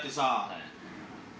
はい